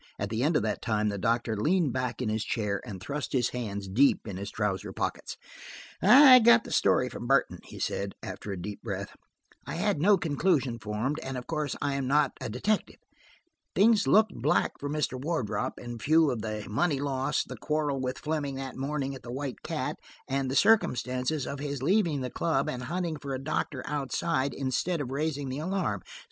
At the end of that time the doctor leaned back in his chair, and thrust his hands deep in his trouser pockets. "I got the story from Burton," he said, after a deep breath. "I had no conclusion formed, and of course I am not a detective. Things looked black for Mr. Wardrop, in view of the money lost, the quarrel with Fleming that morning at the White Cat, and the circumstance of his leaving the club and hunting for a doctor outside, instead of raising the alarm.